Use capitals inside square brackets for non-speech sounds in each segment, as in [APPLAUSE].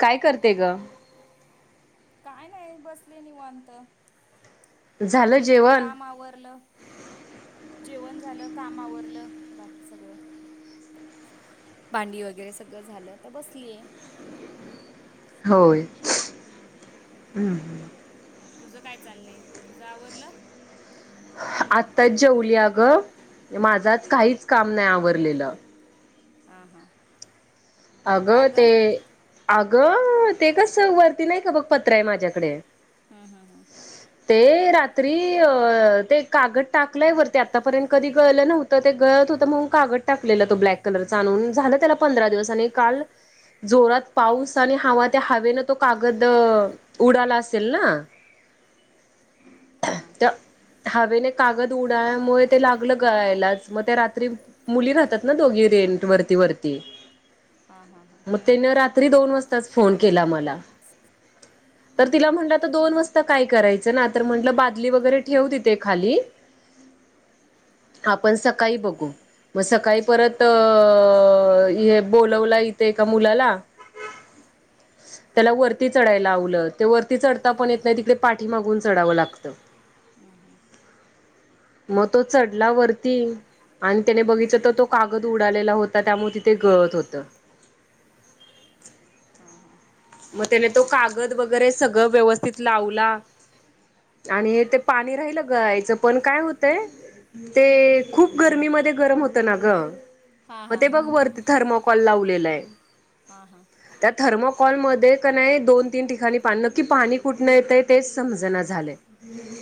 काय करते ग. काय नाही, बसले निवांत. झालं जेवण काम आवरलं, जेवण झालं, काम आवरलं बाकी सगळं. भांडी वगैरे सगळं झालं, आत्ता बसलीय. होय, हम्म हम् ह. तुझं काय चाललंय, तुझ आवरलं. आत्ताच जेवाली आग, माझाच काहीच काम नाही आवरलेलं. हा-हा अगं ते, अगं ते कसं वरती नाही का बघ पत्रा आहे माझ्याकडे. हा-हा-हा. ते रात्री अ ते कागद टाकलंय वर ते आतापर्यंत कधी गळलं नव्हत तर ते गळत होत म्हणून, कागद टाकलेलं तो ब्लॅक कलरच आणून, झालं त्याला पंधरा दिवस आणि काल जोरात पाऊस आणि हवा, त्या हवेनं तो कागद उडाला असेल ना. [INAUDIBLE] हा. त्या हवेने कागद उडाल्यामुळे ते लागलं गळायलाच, मग ते रात्री मुली राहतात ना दोघी, रेंट वरती-वरती. हा-हा-हा. तेन, रात्री दोन वाजताच फोन केला मला. तर तिला म्हंटलं आता दोन वाजता काय करायचं ना, तर म्हटलं बादली वगैरे ठेव तिथे खाली. [INAUDIBLE] आपण सकाळी बघू, मग सकाळी परत हे बोलवला इथे एका मुलाला त्याला वरती चढायला लावलं, ते वरती चढता पण येत नाही तिकडे पाठी मागून चढावं लागतं. हम्-हम्. मग तो चढला वरती आणि त्याने बघित तर, तो कागद उडालेला होता, त्यामुळे तिथे गळत होता. त हा-हा. मग त्याने तो कागद वगैरे सगळं व्यवस्थित लावला. आणि ते पाणी राहिलं गळायचं पण काय होतंय ते खूप गरमीमध्ये गरम होतं ना ग हां मग हां ते हां बघ वरती थर्माकॉल लावलेलं आहे. हा-हा त्या थर्मो कॉल पण मध्ये का नाही, दोन तीन ठिकाणी पान नक्की पाणी कुठणं येतंय तेच समजना झालंय.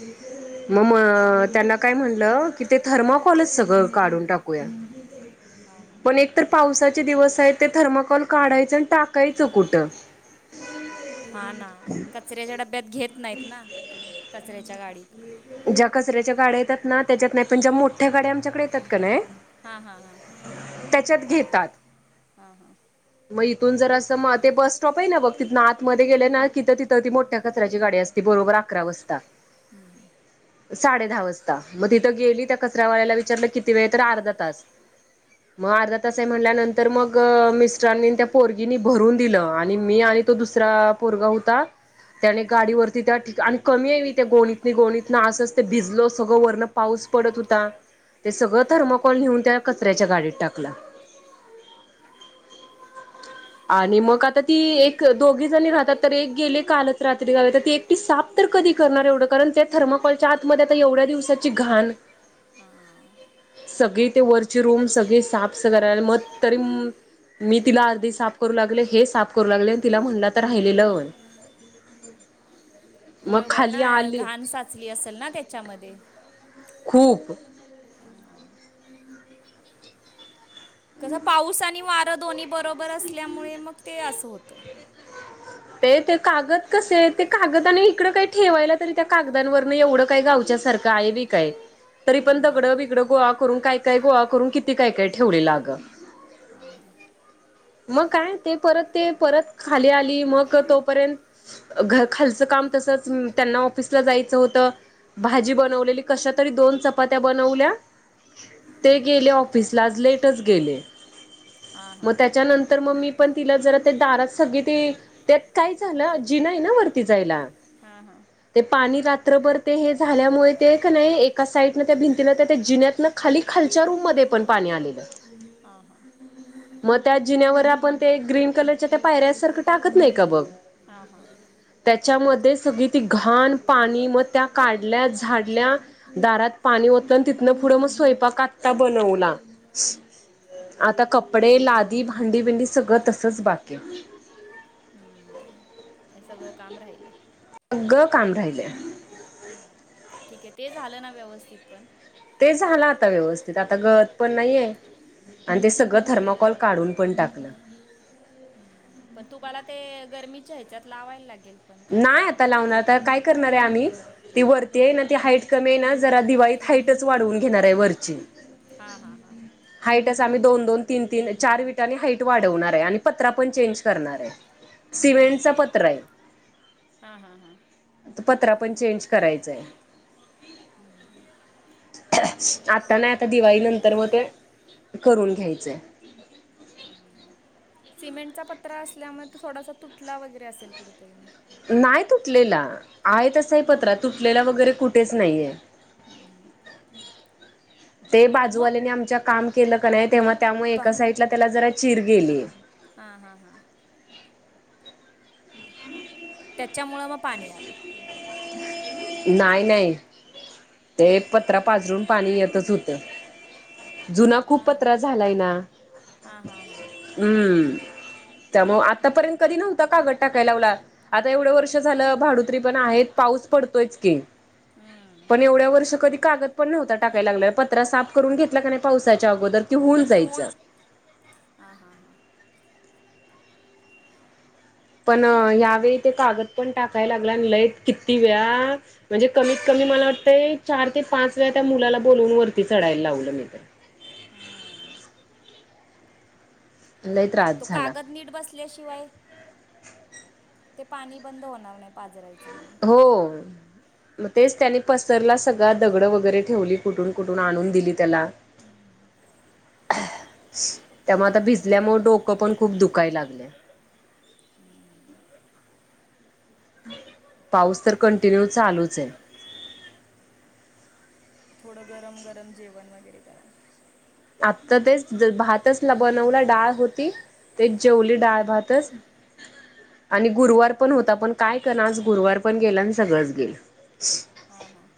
[INAUDIBLE] ममं त्यांना काय म्हणलं, की ते थर्माकॉलच सगळं काढून टाकूया. [INAUDIBLE] हां हां पण एकतर पावसाचे दिवस आहेत, ते थर्माकॉल काढायचं अन टाकायचं कुटं? [INAUDIBLE] हा ना, कचऱ्याच्या डब्यात घेत नाहीत ना, कचऱ्याच्या गाडीत. ज्या कचऱ्याच्या गाड्या येतात ना, त्याच्यात नाही. पण ज्या मोठ्या गाड्या आमच्याकडे येतात का नाह्य हा हा हं त्याच्यात घेतात. हं हं मं इथून जर असं म ते बस स्टॉप आहे ना बघ. तिथनं आतमध्ये गेले ना तिथं तिथं ती मोठ्या कचऱ्याची गाडी असते. ती बरोबर अकरा वाजता हम्म हम्म साडे दहा वाजता, मग तिथं गेली त्या कचऱ्यावाल्याला विचारलं किती वेळ? तर अर्धा तास मं अर्धा तास आहे म्हणल्यानंतर, मग मिस्टरांनी अन त्या पोरगीनी भरून दिलं आणि मी आणि तो दुसरा पोरगा होता, त्याने गाडीवररती त्या ठिका आणि कमी आहे त्या गोणीत नि गोणीत ना असंच ते भिजल सगळं, वरनं पाऊस पडत होता. ते सगळं हां हां थर्मोकॉल न्हेऊन त्या कचऱ्याच्या गाडीत टाकला. आणि मग आता ती एक, दोघी जणी राहतात. तर एक गेली कालच रात्री झाालं तर ती एक ती साफ तर कधी करणार एवढं? कारण त्या थर्माकॉलच्या आतमध्येध्ये आता एवढ्या दिवसाची घाण. हा सगळी ती वरची रूम सगळी साफ सग राहिला मं तरी मी तिला अर्धी साफ करू लागले, हे साफ करू लागले. आणि तिला म्हणलं, आता राहिलेलं वन मग बरोबर ना, खाली आली घाण साचली असेल ना त्याच्यामध्ये. खूप. अं, कसं पाऊस आणि वारं दोन्ही बरोबर असल्यामुळे, मग ते असं होतं. ते ते कागद कसेये, ते कागदाने इकडं काही ठेवायला तरी त्या कागदांवरनं एवढं काय गावच्यासारखं काही बी काय तरी पण हम्म दगडं बिगडं गोळा करून, काय काय गोळा करून, किती काय काय ठेवलेलं आगं. हा हा. मग काय ते परत ते परत खाली आली मग तोपर्यंत घर खालचं काम तसंच, त्यांना ऑफिसला जायचं होतं. भाजी बनवलेली, कशा तरी दोन चपात्या बनवल्या. ते गेले ऑफिसला आज लेटच गेले. आ हं मं त्याच्यानंतर मं मी पण तिला जरा ते दारात, सगळी ती त्यात काय झालं, जीना येना वरती जायला. हां हहं ते पाणी रात्रभर ते हे झाल्यामुळे ते का नाही, एका साईडनं त्या भिंतीला त्या त्या जिन्यातनं खाली, खालच्या रूम मध्ये पण पाणी आलेलं. हं हं मं त्या जिन्यावर आपण ते ग्रीन कलरच्या त्या पायऱ्यासारखं टाकत नाही का बघ हा त्यांच्यामध्ये सगळी ती घाण, पाणी मग त्या काढल्या झाडल्या- दारात पाणी ओतलं, आणि तिथनं पुढं मग स्वयंपाक आता बनवला. आता कपडे लादी भांडीभिंडी सगळं तसच बाकी आहे. हम्म. हे सगळं काम राहिलं. सगळं काम राहिलंय. ठीक आहे, ते झालं ना व्यवस्थित पण- ते झाला आता व्यवस्थित, आता गळत पण नाहीये. आणि ते सगळं थरमकॉल काढून पण टाकलं. हम्म, पण तुम्हाला ते गरमीच्या ह्याच्यात लावायला लागेल. पण नाय काहीतरी आता लावणार, आता काय करणार आहे आम्ही. ती वरती आहे ना ती हाईट कमी आहे ना जरा दिवाळीत हाईटच वाढवून घेणार आहे वरची. हा हा हाईट च आम्ही दोन दोन तीन तीन चार विटांनी हाईट वाढवणार आहे, आणि पत्रा पण चेंज करणार आहे. सिमेंटचा पत्रा- हा हा हा पत्रा पण चेंज करायचंय. हम्म. आता नाही आता दिवाळी नंतर मग ते करून घ्यायचेंय. हम सिमेंटचा पत्रा असल्यामुळे थोडासा तुटला वगैरे असेल कुठेतरी मग. नाही तुटलेला आहे तसं आहे पत्रा, तुटलेला वगैरे कुठेच नाहीये. हम्म ते मग बाजूवाल्याने आमच्या काम केलं का नाही, तेव्हा त्यामुळे एका साईडला त्याला जरा चिर गेली. हा हा हा. त्याच्यामुळं मग पाणी आलं. नाही नाही ते पत्रा पाजरून पाणी येतच होत. जुना खूप हां पत्रा झालाय ना. हां हां हां हम्म त्यामुळं आतापर्यंत कधी नव्हता गळत- टाकाय लावला, आता एवढं वर्ष झालं भाडुत्री पण आहेत पाऊस पडतोयच की. हम्म. पण एवढ्या वर्ष कधी कागद- पण नव्हता टाकायला लागला, पत्रा साफ करून घेतला का नाही पावसाच्या अगोदर. की होऊन तर ते होन जायचं हा हा हा. पण ह्यावेळी ते कागद पण टाकायला लागला, आणि लाईट किती वेळा, म्हणजे कमीत कमी मला वाटतंय चार ते पाच वेळा त्या मुलाला बोलवून वरती चढायला लावलं मी. हां. लय. [INAUDIBLE] तो कागद नीट बसला- बसल्याशिवाय ते पाणी बंद होणार नाही पाजरायचं. हो मग तेच त्यानी पसतरला सगळा दगड वगैरे ठेवली. कुठून कुठून आणून दिली त्याला. हम्म आह त्यामुळे आता भिजल्यामुळे डोकं पण खूप दुखाय लागले. हम्म [INAUDIBLE] पाऊस तर कंटिन्यू चालूच ये. थोडं गरम गरम जेवण वगैरे करा. आत्ता तेच भातच बनवला डाळ होती तेच जेवली डाळ भातच आणि गुरुवार पण होता पण काय करण आज गुरुवार पण गेला आणि सगळंच गेल. हा हा.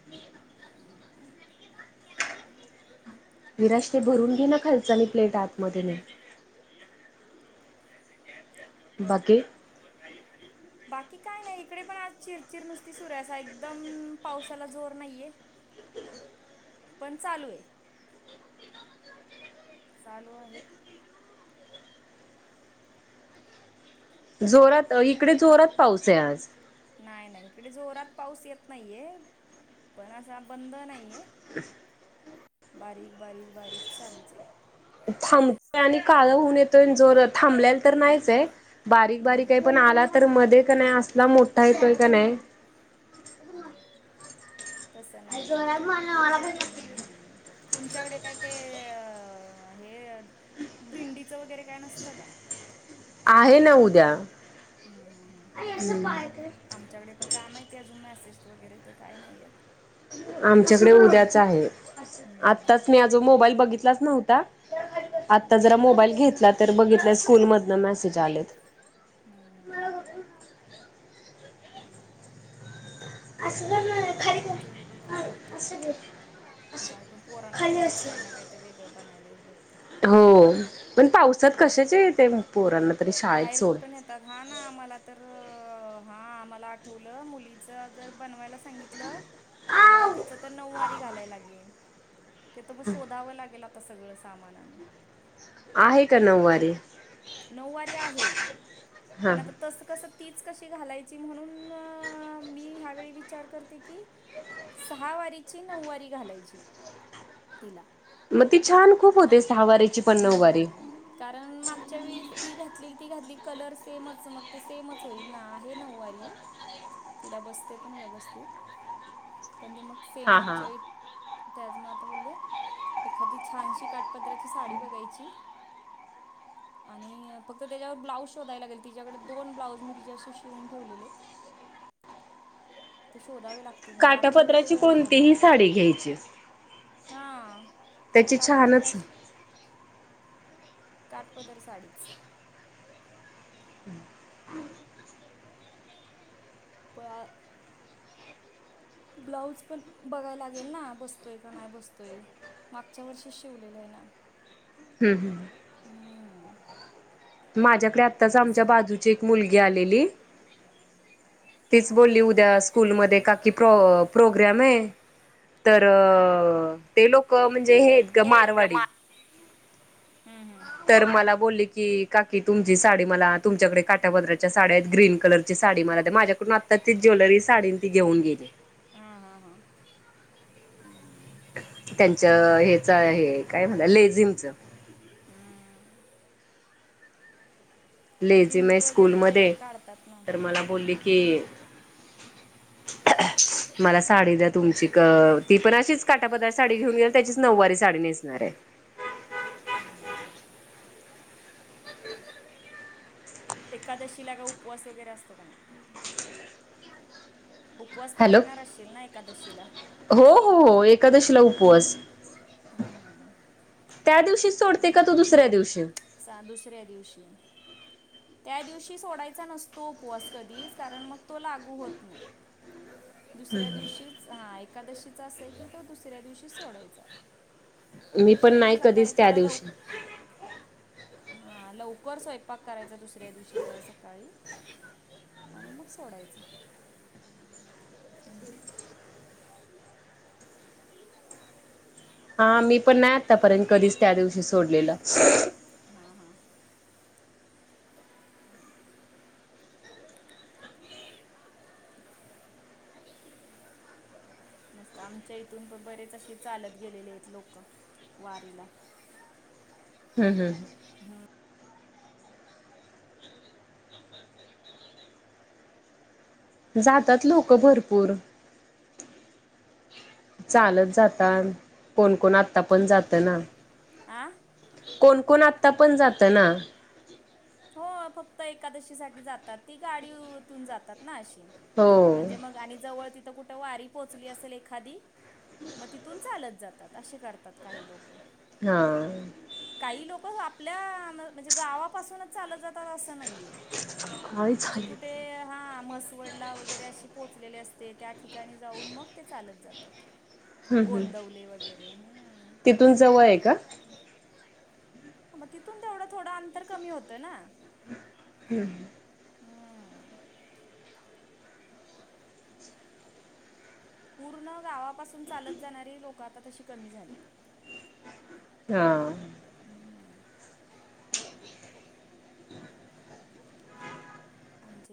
विराज ते भरून घे ना खालच आणि प्लेट आतमध्ये नेते बाकी? बाकी काय नाही इकडे पण आज चिरचिर नुसती सुरू आहे एकदम पावसाला जोर नाहीये. पण चालू आहे चालू आहे. जोरात इकडे जोरात पाऊस आहे आज. नाही नाही इकडे जोरात पाऊस येत नाहीये पण असा बंद नाहीये. अ. बारीक बारीक बारीक चालूच ये. थांबतोय आणि काळं होऊन येतोय जर थांबलेल तर नाहीच आहे. बारीक बारीक आहे हम्म पण आला तर मध्ये का नाही असला मोठा येतोय हम्म का नाही. हम्म तस नाहीये हित आज हम् तुमच्याकडे काय ते हे दिंडीचं वगैरे काय नसतं का? आहे ना उद्या हम्म हम्म हम्म हम. आमच्याकडे पण काय माहिती अजून मेसेज वगैरे तर काय नाहीयेत. आमच्याकडे उद्याच आहे हम्म हम्म आताच मी आज मोबाईल बघितलाच नव्हता आता जरा हम्म मोबाईल घेतला तर बघितलं स्कूलमधनं मेसेज आलेत. हम्. हम्म. असलं ह. आमच्याकडे पण काय माहिती? जाऊदे पण पोरांना तेवढंच काही ना काय ते वेगळं बनायलाही भेटतं हो पण पावसात हम्म कशाचे येते पोरांना तरी शाळेत सोड तर आ ना मला तर हा मला आठवलं मुलीच जर बनवायला सांगितलं तर मला तिचं तर नऊवारी घालायला लागेल तिथं मग शोधावं लागेल आता सगळं सामान आणि आहे का नऊवारी? नऊवारी आहे हा पण आता तसं कसं तीच कशी घालायची म्हणून म मी ह्यावेळी विचार करते की सहावारीची नऊवारी घालायची तिला मग ती छान खूप होते आ- सहावारीची पण नऊ वारी हम्म कारण मागच्या च्या वेळीस ती घातली ती घातली कलर सेमच मग ते सेमच होईल ना. आहे नऊवारी तिला बसते पण व्यवस्थित पण ते मग सेम हा हा मागच्या वेळी त्याच म आता बोलले एखादी छानशी काठापदाराची साडी बघायची [UNINTELLIGIBLE] आणि फक्त त्याच्यावर ब्लाऊज शोधायला लागेल तिच्याकडे दोन ब्लाऊज मी तिचे अशे शिवून ठेवलेले आहेत ते शोधावे लागतील मला आठवलं ते काटापदराची बरं झालं कोणतीही साडी घ्यायची हा त्याची काठ छानच पद्राचं काटपदर साडीच [UNINTELLIGIBLE] पा अ ब्लाऊज पण बघायला लागेल ना बसतोय का नाय बसतोय. मागच्या वर्षी शिवलेलं आय ना. हम्. हा. माझ्याकडे आत्ताच आमच्या बाजूची एक मुलगी आलेली. तीच हां बोलली उद्या स्कूलमध्ये काकी प्रो- प्रोग्रॅम आय. तर ते लोक म्हणजे हे हेच ग मा. हम् हम्म. तर मला बोलली की काकी तुमची साडी मला तुमच्याकडे काटापद्रा च्या साड्या हाईत ग्रीन कलरची साडी मला द्या माझ्याकडून आता ती ज्वेलरी साडी तीे घेऊन गेली. हा हा हा. त्यांच्य हेचा हे आय काय म्हणतात लेझिमचं. हम्म. लेझीम ए दिंडी स्कूलमध्ये वगैरे काढतात ना तर मला बोलली हम्म की मला साडी द्या तुमची ती पण अशीच काट टापद्राची साडी घेऊन गेली त्याचीच नऊवारी साडी नेसणाराय. हम्म एकादशीला का उपवास वगैरे असतो का नाय? उपवास हॅलो पकडणार असशील ना एकादशीला? हो हो हो एकादशीला उपवास. हम्म. त्या दिवशी सोडते का तू दुसऱ्या दिवशी? सा दुसऱ्या दिवशी. त्या दिवशी सोडायचा नसतो उपवास कधीच कारण मग तो लागू होत नाय. दुसऱ्या दिवशी हा एकादशीचा असं आय की तो दुसऱ्या दिवशी सोडायचा मी पण दुसऱ्या नाही दिवशी सकाळी कधीच त्या थोडा लवक दिवशी हा लवकर स्वयंपाक करायचा दुसऱ्या दिवशी जरा सकाळी आणि मग सोडायचं. हा मी पण नाय आत्तापर्यंत कधीच त्या दिवशी सोडलेलं. हा हा. मस्त आमच्या इथून पण बरेच अशे चालत गेलेले आहेत लोक वारीला. हम् हम्. जातात लोक भरपूर. चालत जातान कोणकोण आता पण जात ना. आं? कोणकोण आत्ता पण जात ना. हो फक्त एकादशी साठी जातात ती गाडीव तून जातात ना अशी. हो म्हणजे मग आणि जवळ तिथं कुठं वारी पोहचली असेल एखादी म तिथून चालत जातात अशे करतात काही लोक. हा. काही लोक आपल्या म्हणजे गावापासूनच चालत जातात असं नाहीये. काय म्हणजे झालं कुठे हा म्हसव डला वगैरे अशी पोहचलेले असते त्या ठिकाणी जाऊन म ते चालत जातात. हम्म गोंदवले वगैरे हम्म. तून जवळ ए का? हा म तिथून तेवढं थोडं अंतर कमी होतं ना. हम्म हम्म पूर्ण गावापासून चालत जाणारी लोकं आता तशी कमी झालेत. हा आमच्यात